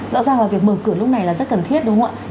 rõ ràng là việc mở cửa lúc này là rất cần thiết đúng không ạ